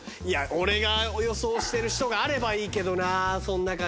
俺が予想してる人があればいいけどなそん中に。